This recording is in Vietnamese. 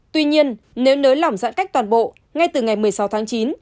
tuy nhiên nếu nới lỏng giãn cách toàn bộ ngay từ ngày một mươi sáu tháng chín